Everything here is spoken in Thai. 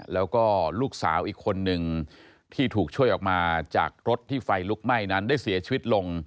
แล้วก็ลูกสาวอีกคนนึงที่ถูกช่วยออกมาจากรถที่ไฟลุกไหม้นั้นได้เสียชีวิตลง